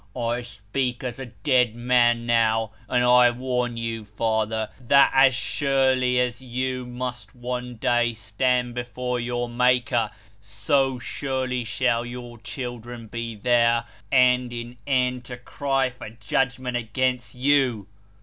I speak as a dead man now, and I warn you, father, that as surely as you must one day stand before your Maker, so surely shall your children be there, hand in hand, to cry for judgment against you."